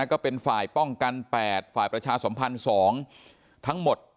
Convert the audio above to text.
ก็เป็นฝ่ายป้องกัน๘ฝ่ายประชาสมพันธ์๒ทั้งหมด